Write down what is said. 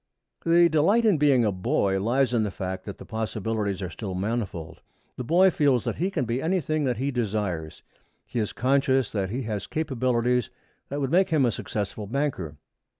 The delight in being a boy lies in the fact that the possibilities are still manifold. The boy feels that he can be anything that he desires. He is conscious that he has capacities that would make him a successful banker.